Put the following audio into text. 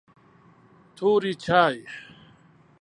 توري چای